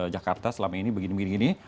jakarta selama ini begini begini